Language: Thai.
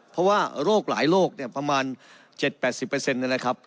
เพราะว่าโรคหลายโรคเนี่ยประมาณ๗๘๐นะครับ